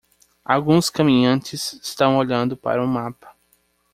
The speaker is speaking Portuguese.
Alguns caminhantes estão olhando para um mapa.